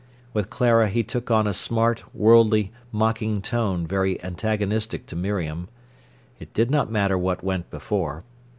With Clara he took on a smart, worldly, mocking tone very antagonistic to Miriam. It did not matter what went before.